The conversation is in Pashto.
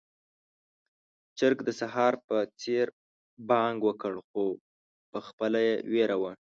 چرګ د سهار په څېر بانګ وکړ، خو پخپله يې وېره وه.